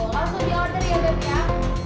langsung di order ya dok ya